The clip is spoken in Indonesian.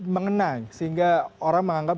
mengenang sehingga orang menganggap